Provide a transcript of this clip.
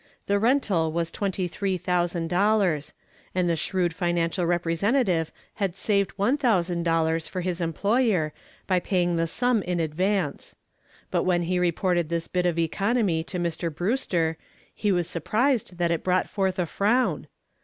The rental was $23,000, and the shrewd financial representative had saved $1,000 for his employer by paying the sum in advance. But when he reported this bit of economy to Mr. Brewster he was surprised that it brought forth a frown.